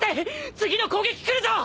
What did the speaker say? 次の攻撃くるぞ！